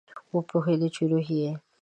وپوهیده چې روح یې